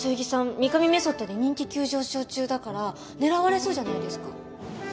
御神メソッドで人気急上昇中だから狙われそうじゃないですか。